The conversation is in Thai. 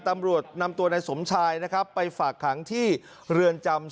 ตำรวจนำตัวนายสมชายนะครับไปฝากขังที่เรือนจำ